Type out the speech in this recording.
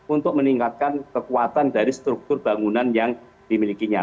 untuk meningkatkan kekuatan dari struktur bangunan yang dimilikinya